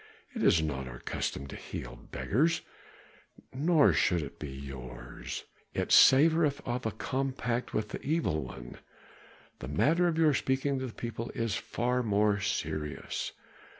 It is not our custom to heal beggars, nor should it be yours; it savoreth of a compact with the evil one. The matter of your speaking to the people is far more serious.